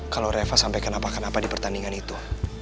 kalau reva sampai kenapa kenapa di pertandingan itu